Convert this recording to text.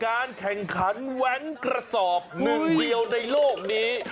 การแข่งขันแว้นกระสอบหนึ่งเดียวในโลกนี้